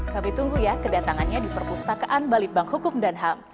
kami tunggu ya kedatangannya di perpustakaan balitbank hukum dan ham